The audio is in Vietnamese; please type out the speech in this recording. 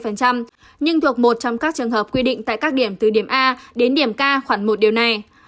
nhưng thuộc một trong các trường hợp quy định tại các điểm từ điểm a đến điểm k khoảng một điều này